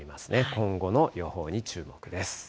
今後の予報に注目です。